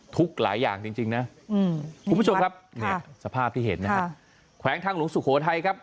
ทุกหลายอย่างจริงนะคุณผู้ชมครับเนี่ยสภาพที่เห็นนะฮะแขวงทางหลวงสุโขทัยครับ